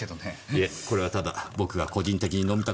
いえこれはただ僕が個人的に飲みたかったんです。